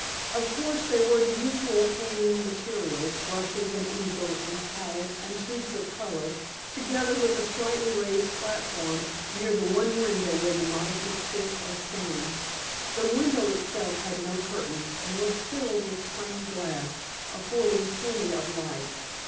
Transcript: Of course, there were the usual painting materials, brushes and easel and palettes and tubes of color, together with a slightly raised platform near the one window where the model could sit or stand. The window itself had no curtains and was filled with plain glass, affording plenty of light.